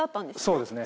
そうですね。